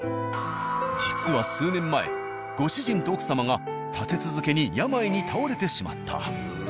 実は数年前ご主人と奥様が立て続けに病に倒れてしまった。